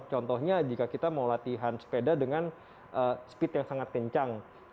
contohnya jika kita mau latihan sepeda dengan speed yang sangat kencang